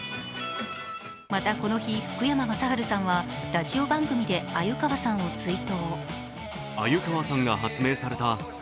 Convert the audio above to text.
また、この日、福山雅治さんはラジオ番組で鮎川さんを追悼。